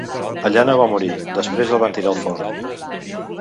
Allà no va morir; després el van tirar al foc.